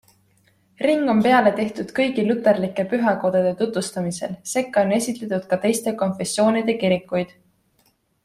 Ring on peale tehtud kõigi luterlike pühakodade tutvustamisel, sekka on esitletud ka teiste konfessioonide kirikuid.